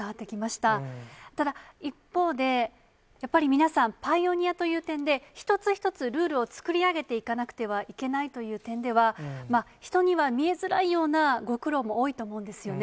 ただ、一方で、やっぱり皆さん、パイオニアという点で、一つ一つルールを作り上げていかなくてはいけないという点では、人には見えづらいようなご苦労も多いと思うんですよね。